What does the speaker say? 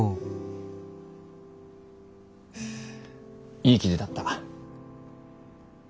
いい記事だった。